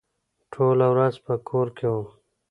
ټوله ورځ په کور کې وم.